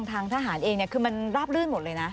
ทางทหารเองคือมันราบลื่นหมดเลยนะ